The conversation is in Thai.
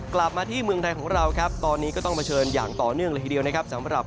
กลับมาที่เมืองไทยของเราครับตอนนี้ก็ต้องเผชิญอย่างต่อเนื่องเลยทีเดียวนะครับสำหรับ